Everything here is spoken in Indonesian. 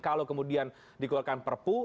kalau kemudian dikeluarkan perpu